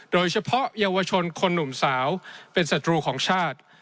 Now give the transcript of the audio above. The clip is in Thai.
โดยเฉพาะเยาวชนคนหนุ่มสาวเป็นศัตรูของชาติ